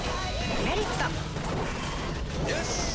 「メリット」よしっ！